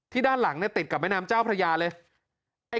ด้านหลังติดกับแม่น้ำเจ้าพระยาเลย